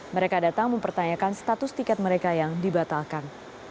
mereka datang mempertanyakan status tiket mereka yang dibatalkan